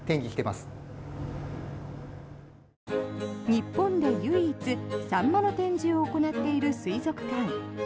日本で唯一サンマの展示を行っている水族館。